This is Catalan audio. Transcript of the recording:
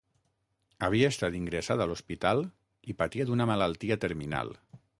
Havia estat ingressat a l’hospital i patia d’una malaltia terminal.